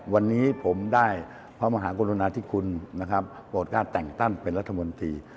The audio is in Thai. วันนี้ผมได้พระมหากรุณาธิคุณนะครับโปรดการแต่งตั้งเป็นรัฐมนตรี